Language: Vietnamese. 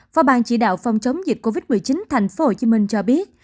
phó ban chỉ đạo phòng chống dịch covid một mươi chín tp hcm cho biết